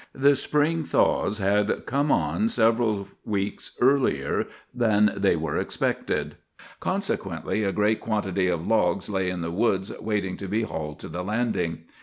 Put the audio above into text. The spring thaws had come on several weeks earlier than they were expected, consequently a great quantity of logs lay in the woods waiting to be hauled to the landing.